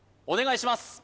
お願いします